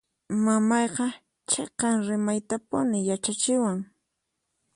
Mamayqa chiqan rimaytapuni yachachiwan.